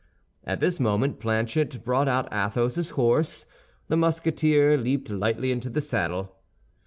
At this moment Planchet brought out Athos's horse; the Musketeer leaped lightly into the saddle.